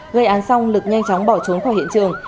gây án xong lực nhanh chóng bỏ trốn khỏi hiện trường